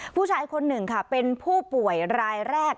ผู้ชายคนหนึ่งค่ะเป็นผู้ป่วยรายแรก